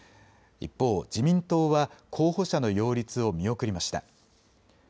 一方、自民党は候補者の擁立を見送りました。